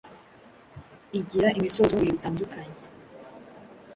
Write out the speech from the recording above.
igira imisozo mu bihe bitandukanye